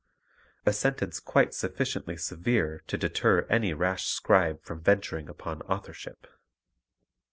A sentence quite sufficiently severe to deter any rash scribe from venturing upon authorship!